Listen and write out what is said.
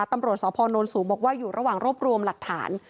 ตำรวจสพนสูงบอกว่าอยู่ระหว่างรวบรวมหลักฐาน